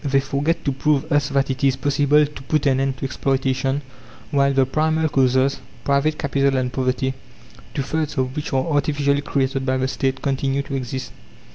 They forget to prove us that it is possible to put an end to exploitation while the primal causes private capital and poverty, two thirds of which are artificially created by the State continue to exist.